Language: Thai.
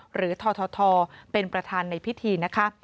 หรือททเป็นประธานในพิธีนะคะ